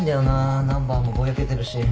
ナンバーもぼやけてるし。